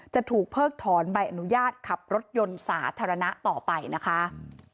จะถูกเพิกถอนใบอนุญาตขับรถยนต์สาธารณะต่อไปนะคะ